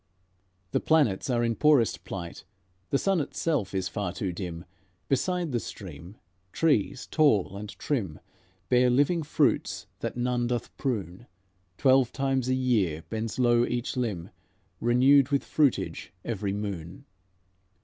The planets are in poorest plight; The sun itself is far too dim. Beside the stream trees tall and trim Bear living fruits that none doth prune; Twelve times a year bends low each limb, Renewed with fruitage every moon.